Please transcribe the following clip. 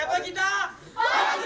pasti berangkat pasti berangkat